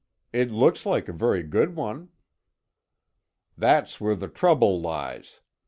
"It looks like a very good one." "That's where the trouble lies.